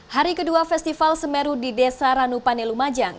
hari kedua festival semeru di desa ranupanelu majang